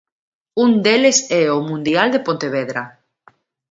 Un deles é o Mundial de Pontevedra.